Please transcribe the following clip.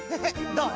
どう？